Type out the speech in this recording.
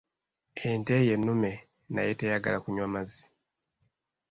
Ente ye nnume naye teyagala kunywa mazzi.